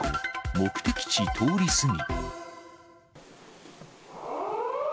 目的地通り過ぎ。